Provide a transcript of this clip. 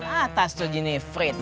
atas tuh gini frid